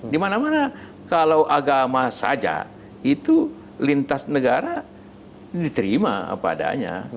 dimana mana kalau agama saja itu lintas negara diterima apa adanya